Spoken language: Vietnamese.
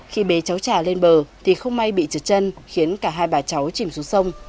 khi bé cháu trà lên bờ thì không may bị trượt chân khiến cả hai bà cháu chìm xuống sông